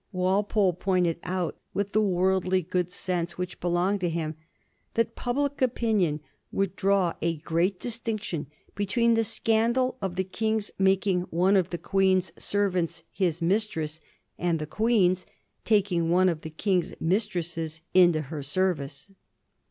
Walpole pointed out, with the worldly good sense which belonged to him, that public opinion would draw a great distinction between the scandal of the King's making one of the Queen's servants his mistress and the Queen's taking one of the King's mistresses into her service.